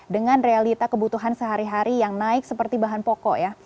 dengan realita kebutuhan sehari hari yang naik seperti bahan pokok ya